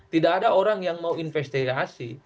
tidak ada orang yang mau investigasi